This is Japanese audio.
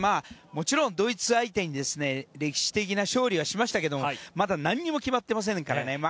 もちろんドイツ相手に歴史的な勝利はしましたけどまだ何も決まってませんからね。